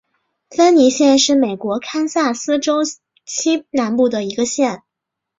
芬尼县是美国堪萨斯州西南部的一个县。